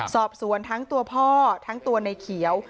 สอบสวนทั้งตัวพ่อทั้งตัวในเขียว